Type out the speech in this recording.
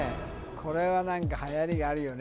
これは何かはやりがあるよね